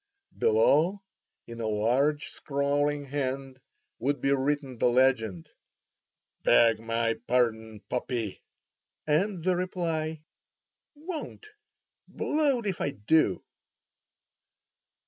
Below in a large scrawling hand would be written the legend: "Beg my pardon, puppy!" and the reply, "Won't! blow'd if I do!"